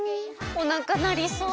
おなかなりそう！